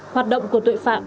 hoạt động của tội phạm